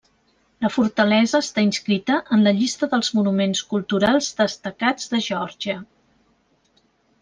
La fortalesa està inscrita en la llista dels Monuments culturals destacats de Geòrgia.